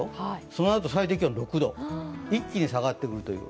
そのあと、最低気温６度、一気に下がってくるという。